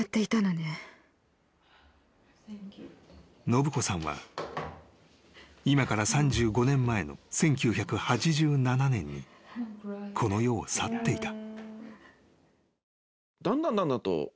［信子さんは今から３５年前の１９８７年にこの世を去っていた］